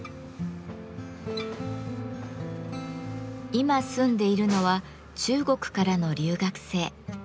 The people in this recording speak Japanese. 今住んでいるのは中国からの留学生。